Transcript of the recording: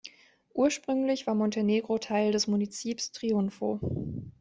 Ursprünglich war Montenegro Teil des Munizips Triunfo.